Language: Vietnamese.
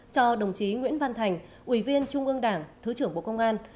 cho đồng chí nguyễn văn thành ủy viên trung ương đảng thứ trưởng bộ công an